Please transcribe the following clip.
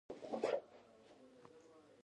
زه غواړم په پښتو ژبه خبری وکړم او ولیکم او وارم